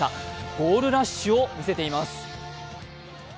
ゴールラッシュを見せています。